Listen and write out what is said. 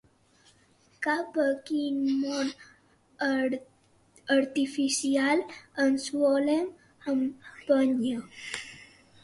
Cap a quin món artificial ens volen empènyer?